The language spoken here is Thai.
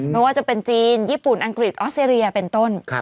ไม่ว่าจะเป็นจีนญี่ปุ่นอังกฤษออสเตรเลียเป็นต้น